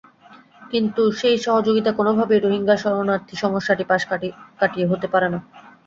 কিন্তু সেই সহযোগিতা কোনোভাবেই রোহিঙ্গা শরণার্থী সমস্যাটি পাশ কাটিয়ে হতে পারে না।